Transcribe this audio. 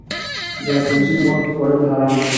د خنزیر غوښه خوړل حرام دي.